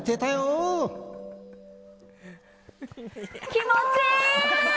気持ちいい！